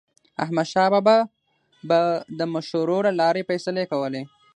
احمدشاه بابا به د مشورو له لارې فیصلې کولې.